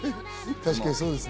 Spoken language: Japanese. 確かにそうですね。